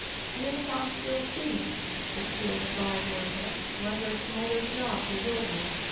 "Here comes Bill Simms!" exclaimed Bywater, when their smothered laugh was over.